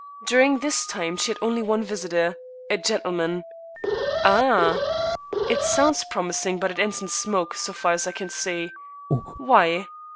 During this time she had only one visitor a gentleman." "Ah!" "It sounds promising, but it ends in smoke, so far as I can see." "Why?"